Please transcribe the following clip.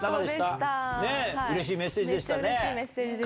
めっちゃうれしいメッセージでしたね。